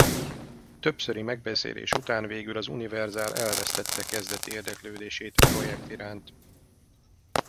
Többszöri megbeszélés után végül a Universal elvesztette kezdeti érdeklődését a projekt iránt.